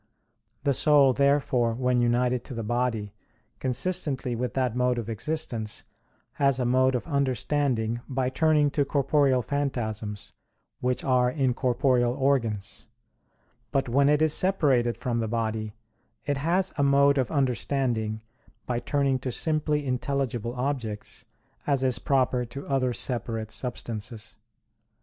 The soul, therefore, when united to the body, consistently with that mode of existence, has a mode of understanding, by turning to corporeal phantasms, which are in corporeal organs; but when it is separated from the body, it has a mode of understanding, by turning to simply intelligible objects, as is proper to other separate substances.